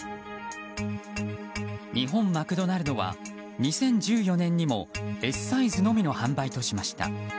日本マクドナルドは２０１４年にもＳサイズのみの販売としました。